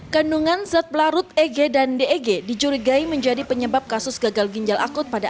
kandungan zat pelarut eg dan deg dicurigai menjadi penyebab kasus gagal ginjal akut pada